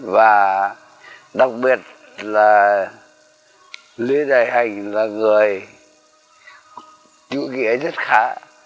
và đặc biệt là lê đại hành là người chủ nghĩa rất khá